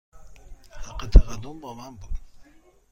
حق تقدم با من بود.